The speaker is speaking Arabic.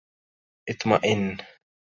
إطمئن